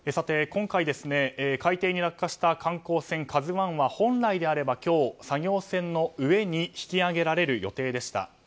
今回、海底に落下した観光船「ＫＡＺＵ１」は本来であれば今日、作業船の上に引き揚げられる予定でした。